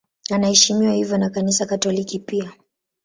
Anaheshimiwa hivyo na Kanisa Katoliki pia.